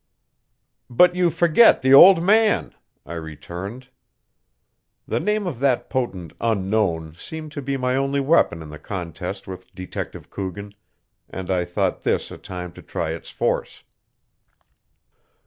"But you forget the 'old man,'" I returned. The name of that potent Unknown seemed to be my only weapon in the contest with Detective Coogan, and I thought this a time to try its force.